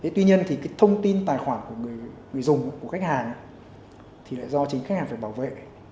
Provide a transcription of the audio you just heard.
tuy nhiên thì thông tin tài khoản của người dùng của khách hàng thì lại do chính khách hàng phải bảo vệ